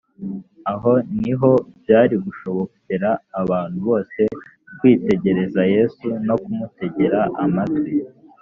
aho niho byari gushobokera abantu bose kwitegereza yesu no kumutegera amatwi